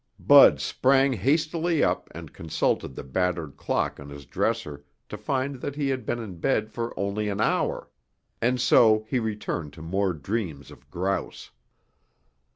Bud sprang hastily up and consulted the battered clock on his dresser to find he had been in bed for only an hour. And so he returned to more dreams of grouse.